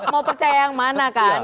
mau percaya yang mana kan